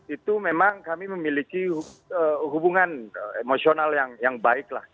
itu memang kami memiliki hubungan emosional yang baik lah